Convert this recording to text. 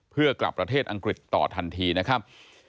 เพื่อกลับประเทศอังกฤษต่อทันทีนะครับ